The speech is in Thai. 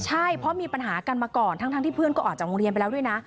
ใช่เพราะมีปัญหากันมาก่อนทั้งที่เพื่อนก็ออกจากโรงเรียนไปแล้วด้วยนะ